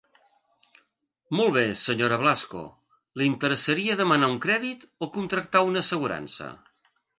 Molt bé Sra. Blasco, li interessaria demanar un crèdit, o contractar una assegurança?